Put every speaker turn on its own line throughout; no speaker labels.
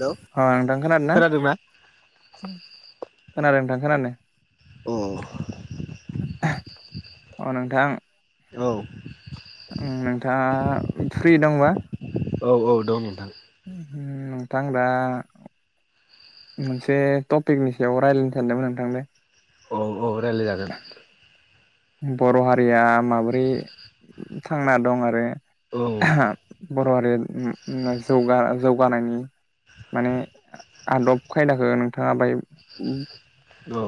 हेल'
हा नोंथां खोनादो ना?
खोनादोंना?
खोनादों नोंथां खोनादों।
अ
अ नोंथां।
औ।
ओ नोंथाङा फ्रि दंबा?
औ औ दं नोंथां।
उम नोंथां दा मोनसे टपिकनि सायाव रायलायनो सानदोंमोन नोंथांदो।
औ औ रायलायजागोन।
बर' हारिया माबोरै थांना दं आरो बर' हारि जौगा जौगानायनि माने आदब खायदाखौ नोंथाङा बाय
औ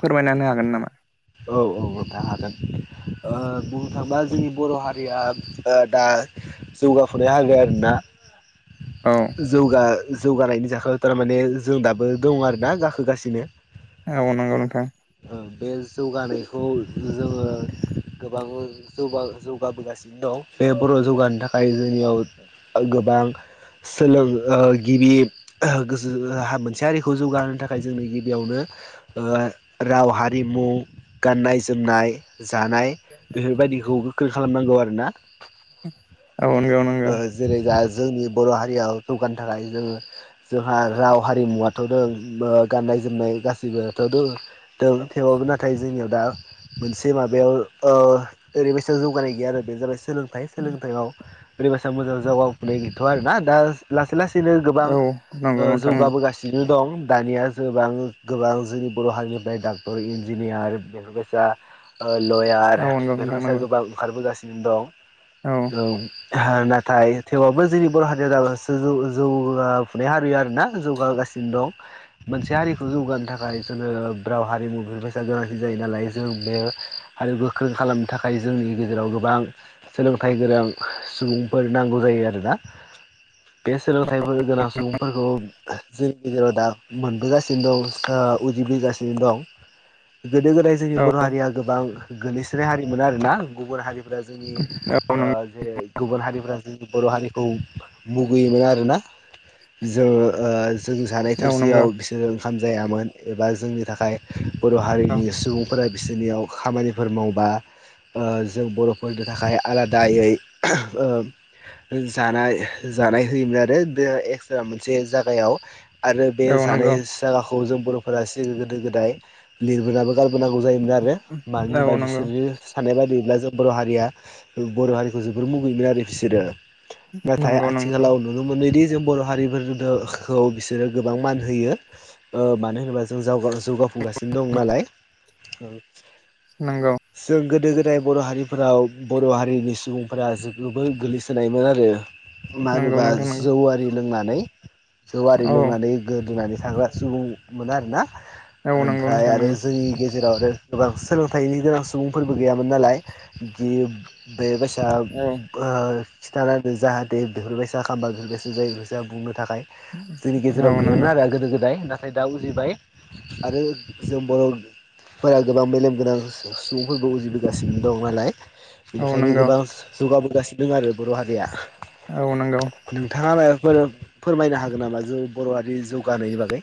फोरमायना होनो हागोन नामा
औ औ नोंथां हागोन ओ बुंनो थाङोबा जोंनि बर' हारिया ओ दा जौगाफुनाय हारि आरोना।
औ
जौगा जौगानायनि जाख्लायाव थारमाने जों दाबो दङ आरो ना गाखोगासिनो।
औ नंगौ नोंथां।
ओं बेज जौगानायखौ जोङो गोबां जौगा जौगाबोगासिनो दं बे बर' जौगानो थाखाय जोंनियाव गोबां सोलों ओ गिबि गोसो मोनसे हारिखौ जौगाहोनो थाखाय जोंनि गिबियावनो ओ राव हारिमु गाननाय जोमनाय जानाय बेफोरबायदिखौ गोख्रों खालामनांगौ आरोना।
औ नोंगौ
ओ
नोंगौ।
जेरै दा जोंनि बर' हारियाव जौगानो थाखाय जोङो जोंहा राव हारिमुवाथ'दों ओ गाननाय जोमनाय गासिबोथ' दोंङो दों थेवाबबो ना नाथाय जोंनियाव दा मोनसे माबायाव ओ ओरैबायसा जौगानाय गैया आरो बे जाबाय सोलोंथाइ। सोलोंथाइयाव ओरैबायसा मोजां जागाफुनाय गैथ' आरोना दा लासै ला सैनो गोबां
औ
ओ
नंगौ नोंथां
जौगाबोगासिनो दं। दानिया जोबां गोबां जोंनि बर' हारिनिफ्राय डक्टर इन इन्जिनियार बेफोरबायसा ओ लयार
औ नंगौ नोंथां
बेफोरबायसा
नंगौ
गोबां ओंखारबोगासिनो दं। औ। नाथाय थेवाबबो जोंनि बर' हारिया [unintelligible] जौ जौगाफुनाय हारि आरोना जौगागासिनो। दं मोनसे हारिखौ जौगानो थाखाय जोङो राव हारिमु बेफोर गोनांथि जायो नालाय जों बे हारि गोख्रों खालामनो थाखाय जोंनि गेजेराव गोबां सोलों थाइ गोरों सुबुंफोर नांगौ जायो आरोना।
[inaudible]
बे सोलोंथाइफोर गोनां सुबुंफोरखौ जोंनि गेजेराव दा मोनबोगासिनो दं ओ उजिबोगासिनो दं। गोदो गोदाय जोंनि बर'
औ
हारिया गोबां गोग्लैसोनाय हारिमोन आरोना गुबुन हारि फोर जोंनि
औ
ओ
नंगौ
जेरै गुबुन हारिफोरा जोंनि बर' हारिखौ मुगैयोमोन आरोना। जोङो ओ जों जानाय
औ नंगौ
थोरसियाव बिसोरो ओंखाम जायामोन एबा जोंनि थाखाय बर'
औ
हारिनि सुबुंफोरा बिसोरनियाव खामानिफोर मावबा ओ जों बर'फोरनि थाखाय आलादायै ओ जानाय जानाय होयोमोन आरो बे एक्सट्रा मोनसे जागायाव। आरो बे
औ नंगौ
जानाय जागाखौ जों बर'फोरा सिल गोदो गोदाय लिरबोनाबो गारबोनांगौ जायोमोन आरो मानो
औ
होनबा
नंगौ
बिसोरनि साननाय बायदियैब्ला जों बर' हारिया बर' हारिखौ जोबोर मुगैयोमोन आरो बिसोरो। नाथाय
नंगौ नंगौ
आथिंलाव नुनो मोनोदि जों बर' हारिफोरखौ बिसोरो गोबां मान होयो ओ मानो होनोबा जों जावगा जौगाफुगासिनो दं नालाय
नंगौ
जों गोदो गो दाय बर' हारिफोराव बर' हारिनि सुबुंफोरा जोबोर गोग्लैसोनायमोन आरो। मा
नंगौ
होनोबा
नोंथां नंगौ
जौआरि लोंनानै जौआरि
औ
लोंनानै गोदोनानै थांग्रा सुबुं मोनो आरो ना।
औ नंगौ।
आरो
नंगौ
जोंनि गेजेर आरो गोबां सोलोंथाइनि गोनां सुबुंफोरबो गैयामोन नालाय जि बे बायसा
औ
ओ खिथानांगो जाहाथे बेफोरबायसा खामबा जों गोसो जायि बायसा बुंनो थाखाय नाय जोंनि गेजेराव
औ
गैयामोन
नंगौ
आरो गोदो गोदाय नाथाय दा उजिबाय आरो जों बर'फोरा गोबां मेलेमगोनां सु सुबुंफोरबो उजिबोगासिनो दं नालाय
औ
बेनिखायनो
नंगौ
गोबां जौगाबोगासिनो दं आरो बर' हारिया।
औ नंगौ
नोंथाङा मायबा फोर फोरमायनो हागोन नामा जों बर हारि जौगानायनि बागै?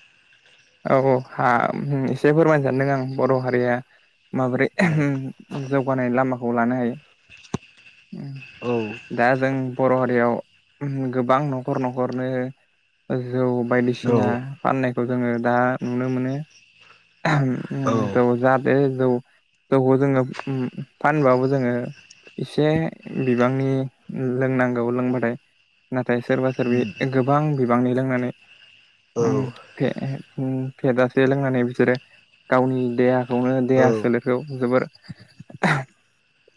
औ औ हा उम से फोरमायनो सानदों आं बर हारिया माबोरै जौगानाय लामाखौ लानो हायो
औ
दा जों बर हारियाव उम गोबां नखर नखरनो ओ जौ
औ
बायदिसिना फाननाय जोङो दा नुनो मोनो जाहाते जौ जौखौ जोङो उम फानबाबो जोङो इसे बिबांनि लोंनांगौ लोंबाथाय ना नाथाय सोरबा सोरबि गोबां बिबांनि लोंनानै
औ
उम फे ए उम फेजासे लोंनानै बिसोरो गावनि देहाखौनो
औ
देहा सोलेरखौ जोबोर [unintelligible]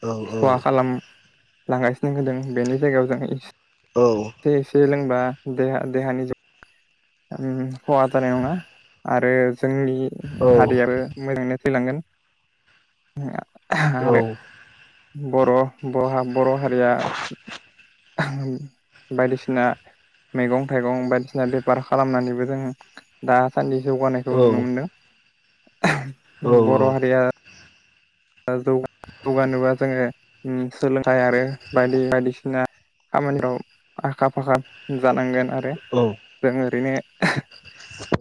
औ औ
लांगासिनो होदों बेनि जायगायाव जों एस
औ
एसे लों बा देहा-देहानि ज उम खहा जानाय नङा आरो जोंनि
औ
हारिया आरो मोजाङैनो थैलांगोन
औ
आरो बर बरहा बरहारिया बायदिसिना मैगं थाइगं बायदिसिना बेफार खालामनानैबो जों दा सान्दि जौगानायखौ नुनो
औ
मोनदों बर हारिया जौगा जौगानोबा जोङो उम सोलोंथाइ आरो बायदि बायदिसिना खामानियाव आखा फाखा जानांगोन आरो जोङो ओरैनो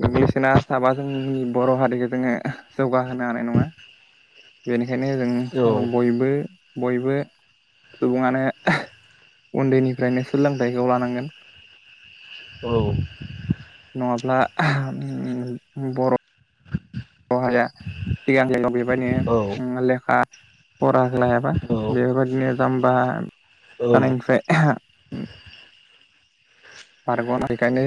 गोग्लैसोना थाबा जोंनि बर हारिखो जोङो जौगाहोनो हानाय नङा बेनि ओंखायनो जों बयबो बयबो सुबुङानो उन्दैनिफ्रायनो सोलोंथाइखौ लानांगोन।
औ
नङाब्ला बर अहाया सिगां सिगाव बेबायदि उम लेखा फराखो लायाबा बेफोरबायदिनो जाम्बा जानायनिफ्राय बारगना बेखायनो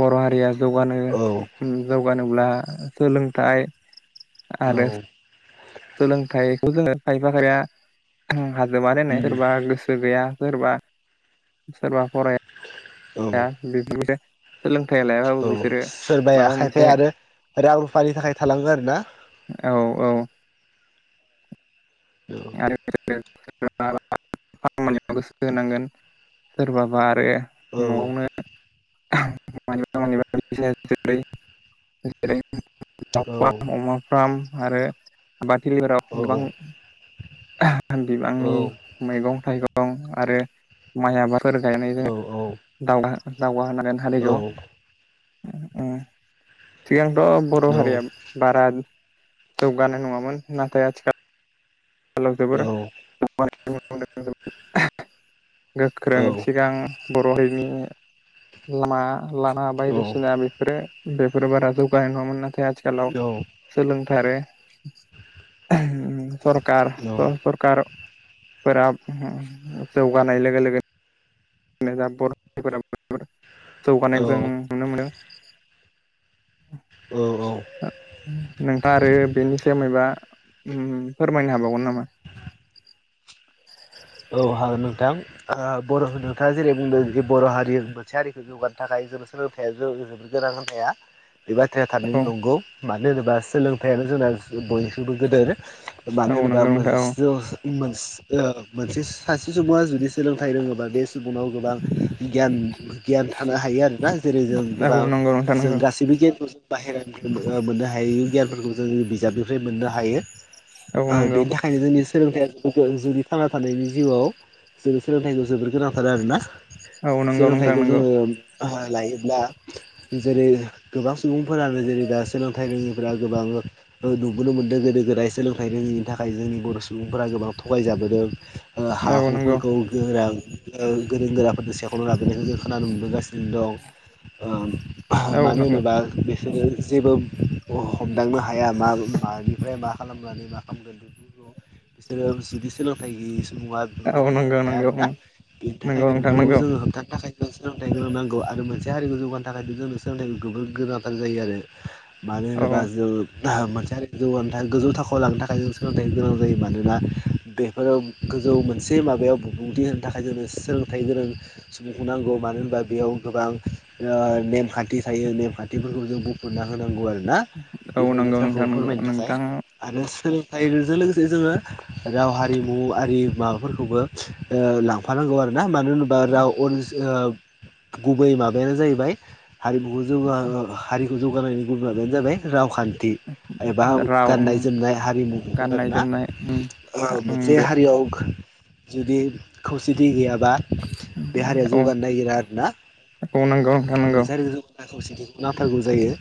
बर हारिया जौगानो
औ
उम जौ जौगानोब्ला सोलोंथाइ आरो
औ
सोलोंथाइखौ जोङो खाइफा खायफाया हाजोमा नायनाय सोरबा गोसो गैया सोरबा सोरबा
औ औ
फराया बेफोरसो
औ सोरबाया
माबा मोनसे
खायफाया आरो रां रुफानि थाखाय थालांगो आरो ना?
औ औ। आरो खयाव [unintelligible] गोसो होनांगोन सोरबाबा आरो
औ
न‌आवनो मानिबा मानिबा [unintelligible] दाउ
औ
फार्म अमा फार्म आरो आबाद थिलिफोराव गोबां
औ
बिबांनि
औ
मैगं थाइगं आरो माइ आबाद फोर गायनायजों
औ
दावगा दाउगाहोनोनांगोन
औ
हारिखौ सिगांथ बर हारिया बारा जौगानाय नङामोन नाथाय आथिखाल [unintelligible] गोख्रों सिगां बर हारिनि लामा लामा बायदिसिना बेफोरो बेफोरो बारा जौगानाय नङामोन ना आथिखालाव सोलोंथारो सरखार सरखार फोरा ओहोम जौगानाय लोगो लोगो [unintelligible] जौगानाय जों नुनो मोनो
औ औ
नोंथाङा आरो बेनि सायाव मायाबा ओम फोरमायनो हाबावगोन नामा
औ भागों नोंथां आ बर' नोंथाङा जेरै बुंदों जे बर' हारि मोनसे हारिखौ जौगानो थाखाय [inaudible] सोलोंथाइया [unintelligible] बे बाथ्राया
औ
थाबैनो नंगौ मानो होनोबा सोलोंथायाइानो जोंना बयनिखसिुइबो गोदोर मानो
औ
होनोबा
नंगौ नोंथां औ
मोन [unintelligible] मोनसे। सासे सुबुङा जुदि सोलोंथाइ रोङोबा बे सुबुङाव गोबां गियान गियान थानो हायो आरोना जेरै जों
औ
गोबां
नंगौ नोंथां
जों
नंगौ
गासैबो गियानखौ ज बाहेरानि मोननो हायो गियानफोरखौ जों बिज निफ्राय मोननो हायो
औ नंगौ
बेनि थाखायनो जोंनि सोलोंथाइया जोंनि थांना थानायनि जिउआव जोंनि सोलोंथाइखौ जोबोर गोनांथार आरोना
औ नंगौ नोंथां
सोलोंथाइखौ
नंगौ
जोङो लायोब्ला जेरै गोबां सुबुंफोरानो जेरै दा सोलोंथाइ रोङिफोरा गोबां नुबोनो मोनदों गोदो गोदाय सोलोंथाइ रोङैनि थाखाय जोंनि बर' सुबुंफोरा गोबां थगायजाबोदों हा
औ नंगौ
हुफोरखौ गोरा गोरों गोराफोरनि सेखनो लाबोनायखौ खोनानो मोनुबोगासिनो दं
औ
मानो
नंगौ
होनोबा बिसोरो जेबो हम लांनो हाया मानिफ्राय मा खालामनानै मा खालाम [unintelligible] बिसोरो [inaudible] [unintelligible] नुवा बेफोरखौ
औ
हमथांनो
नंगौ
हाया
नंगौ उम
आरोोना बेनि
नंगौ
थाखायनो
नोंथां
बेफोरखौ
नंगौ
जोङो हमथानो थाखाय जों सोलोंथाइ होनां नांगौ आरो मोनसे बे हारिखौ जौगानो थाखाय बि जोंनि सोलोंथाइखौ जोबोर गोनांथार जायो आरो मानो
औ
होनोबा जों मोनसे आरोारि जौ गोजौ थाखोआव लांनो थाखाय जों सोलोंथाइ गोनां जायो मानोना बे गोजौ मोनसे माबायाव बिबुंथि होनो थाखाय जोंनो सोलोंथाइ गोनां सुबुंखौ नांगौ मानो होनबा बेयाव गोबां नेमखान्थि थायो नेमखान्थिफोरखौ जों बुफना होनांगौ आरो ना
औ
बेफोर
नंगौ
बाथ्राखौ
नोंथां नंगौ
फोरमायनो थाखाय
नोंथां
आरो सोलों जों लोगोसे जोङो राव हारिमु हु आरि माबाफोरखौबो लांफानांगौ आर ना मानो होनोबा राव [unintelligible] गुबै माबायानो जाहैबाय हारिमुखौ जोङो हारि जौगानायनि गुबुन आ बेनो जाबाय रावखान्थि एबा
राव उम
गाननाय जोमनाय हारिमु बेफोर
गाननाय
आरोना
जोमनाय उम उम
जे
बे
हारियाव जुदि खौसेथि गैयाब बा बे हारिया
औ
जौगानो नागिरा आरोना
औ नंगौ नोंथां नंगौ
मोनसे आरो जों खौसे नाथारगौ जायो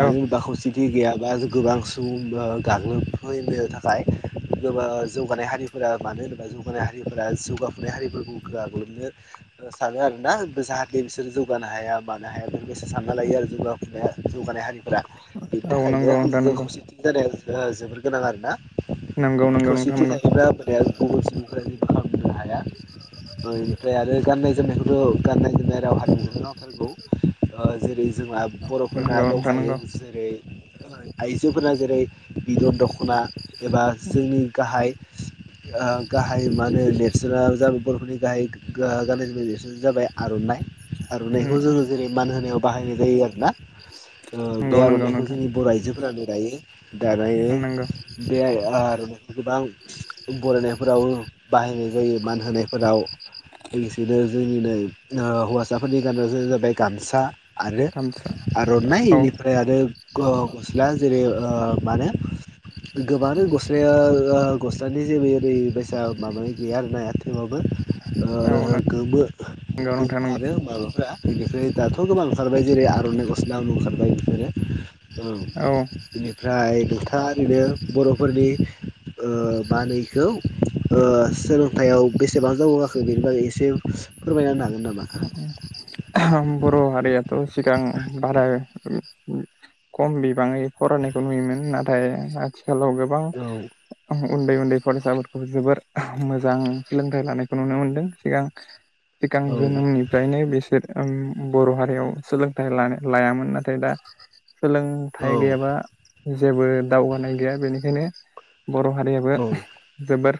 औ
होनोब्ला खौसि खि गैयाबा गोबां सुबुं गाग्लुब फैनो थाखाय गोबा जौगानाय हारिफोरा मानो होनोबा जौगानाय हारिफोरा जौगाफुनाय हारिफोरखौ गाग्लोबनो सानो आरो। दा जाहाथे बिसोरो जौगानो हाया मानो हाया गोसो सानना लायो आरो जौगनाया जौगानाय हारिफोरा बेनि
औ नंगौ
थाखायनो
नोंथां
जों
नंगौ
खौसेथि जानाय जोबोर गोनां आरो ना
नोंगौ नोंगौ नोंथां
खथि
नंगौ
थायोफ्रा बोराद गुबुन सुबुंफोर फाहामनो हाया। बेनिफ्राय आरो गाननाय जोमनायखौथ' गाननाय जोमनाय राव हारिमुनो नांथारगौ ओ जेरै जोंहा बर'फोरना
नंगौ नोंथां
दंखायो
नंगौ
जेरै आइजोफोरा जेरै बिदन दख'ना एबा जोंनि गाह ओ गाहाय माने लेबस्रा जाबाय बरफोरनि गाहाय गान ज बिसोरानो जाबाय आर'नाइ
उम
आर'नाइखौ जोङो जेरै मान होनायाव बाहायनाय जायो आर ना। बे
नंगौ नंगौ
आर'नाइखौ
नोंथां
जोंनि बर' आइजोफोरानो रायो। दानाय
नंगौ
बे आर' गोबां बरायनायफोराव बाहाय ज जायो मान होनायफोराव लोगोसेनो जोंनि नै हौवासाफोरनि गाननायाजोमनाय जाबाय गामसा आरो
गामसा
आर'नाइ
औ
इनिफ्राय आरो गो गस्ला जेरै माने गोबां गस्लाया ओ गस्लानि जेबो ओरै ब फिसा माबानाय गैया आरो ना थेबाबो
औ
ओ गोमो
नंगौ नोंथां
गोमो
नंगौ
आरो माबाफ्रा बेनिफ्राय दाथ' गोबां ओंखारबाय जेरै आर'नाइ गस्लाबो ओंखारबाय बेफोरो औ बेनिफ्राय जथा ओरैनो बर'फोरनि ओ माने इखौ ओ सोलोंथायाइयाव बेसेबां जाबोआखै बेनि बागै एसे फोरमायना होनो हागोन नामा
[unintelligible] बर' हारियाथ' सिगां भाराय खम बिबाङै फरायनायखौ नुयोमोन नाथाय आथि आखेलाव गोबां
औ
उन्दै उन्दै फरायसाफोरखौ जोबोर [unintelligible] मोजां सोलोंथाइ लानायखौ नुनो मोनदों सिगां सिगां
औ
जोनोमनिफ्रायनो बिसोर बर' हारियाव सोलोंथाइ लानो लायामोन नाथाय दा
औ
सोलोंथाइ गैयाबा जेबो दावगानाय गैया बेनिखायनो बर' हारियाबो [unintelligible] जोबोर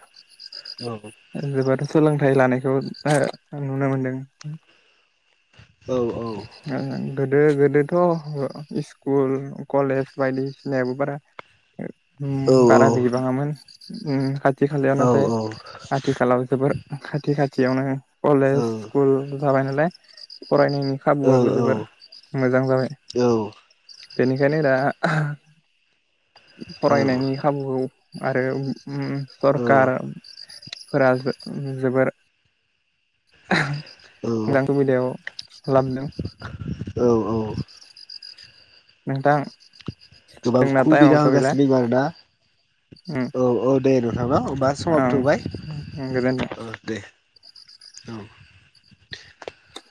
औ
[inaudible] जोबोर सोलोंथाइ लानायखौ [unintelligible] नुनो मोनदों
औ
[unintelligible] गोदो गोदोथ' इस्कुल कलेज बायदिसिनायाबो बारा उम
औ
बारा
औ
जबाङामोन उम खा खाथि खालायाव
औ
नाथाय आथिखालाव जोबोर खाथि खाथियावनो कलेज स्कुल जाबाय नालाय फरायनायनि
औ
खाबुआबो जोबोर मोजां जाबाय। बेनिखायनो दा [unintelligible] फरायनायनि खाबुखौ आरो उम सरकारफोरा जो जोबोर [unintelligible] लाबदों
औ औ
नोंथां
गोबां
जोंना
खुबिदा
टाइमावथ' गैला
होगासिनो दं आरोना
उम
औ औ दे न [unintelligible] समाबो
ओं
थौबाय
गोजोन्थों।
[unintelligible] औ [inaudible]